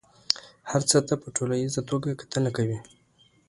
هر څه ته په ټوليزه توګه کتنه کوي.